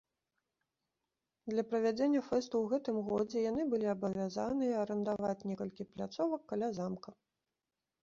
Для правядзення фэсту ў гэтым годзе яны былі абавязаныя арандаваць некалькі пляцовак каля замка.